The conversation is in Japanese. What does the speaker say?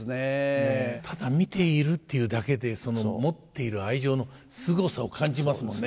ただ見ているっていうだけでその持っている愛情のすごさを感じますもんね。